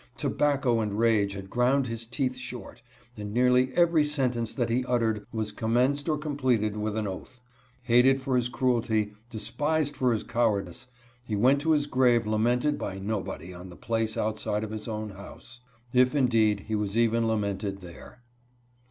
Tobacco and rage had ground his teeth short, and nearly every sentence that he uttered was commenced or completed with an oath. Hated for his cruelty, despised for his 60 PRIVILEGES SOUGHT FOR. cowardice, he went to his grave lamented by nobody on the place outside of his own house, if, indeed, he was even lamented there.